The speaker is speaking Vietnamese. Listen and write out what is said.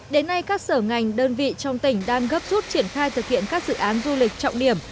đến nay các sở ngành đơn vị trong tỉnh đang gấp rút triển khai thực hiện các dự án du lịch trọng điểm